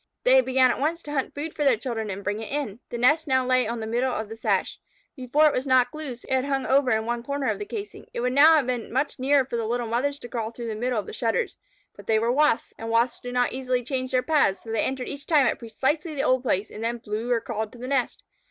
They began at once to hunt food for their children and bring it in. The nest now lay on the middle of the sash. Before it was knocked loose, it had hung over in one corner of the casing. It would now have been much nearer for the little mothers to crawl through the middle of the shutters. But they were Wasps, and Wasps do not easily change their paths, so they entered each time at precisely the old place, and then flew or crawled to the nest.